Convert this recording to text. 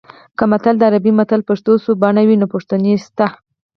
که متل د عربي مثل پښتو شوې بڼه وي نو پوښتنې شته